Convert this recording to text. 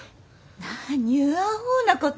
何ゅうあほうなこと。